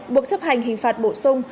buộc chấp hành hình phạt bổ sung